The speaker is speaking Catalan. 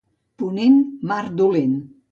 Ponent, mar dolent.